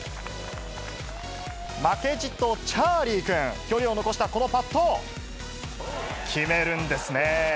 負けじとチャーリー君、距離を残したこのパット、決めるんですね。